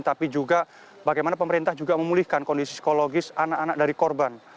tapi juga bagaimana pemerintah juga memulihkan kondisi psikologis anak anak dari korban